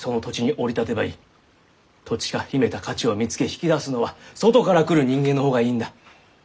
土地が秘めた価値を見つけ引き出すのは外から来る人間の方がいいんだ。